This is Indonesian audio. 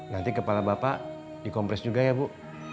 nanti kepala bapak dikompres juga ya bu